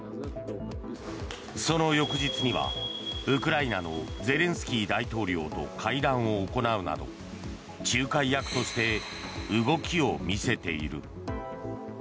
その翌日にはウクライナのゼレンスキー大統領と会談を行うなど仲介役として動きを見せている。